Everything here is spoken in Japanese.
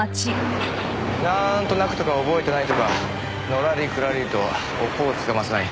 なーんとなくとか覚えてないとかのらりくらりと尾っぽをつかませない。